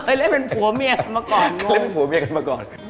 เมื่อกี๊เกิดเล่นดูขนาดนี้